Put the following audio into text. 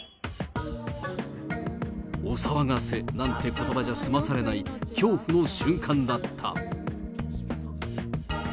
お騒がせなんてことばじゃ済まされない恐怖の瞬間だった。